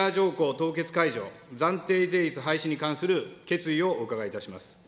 凍結解除暫定税率廃止に関する決意をお伺いいたします。